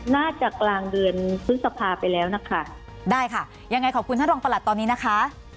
น่าจะกลางเดือนพฤษภาไปแล้วนะคะได้ค่ะยังไงขอบคุณท่านรองประหลัดตอนนี้นะคะ